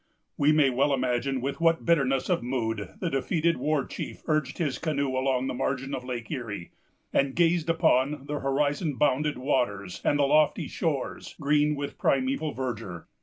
We may well imagine with what bitterness of mood the defeated war chief urged his canoe along the margin of Lake Erie, and gazed upon the horizon bounded waters, and the lofty shores, green with primeval verdure.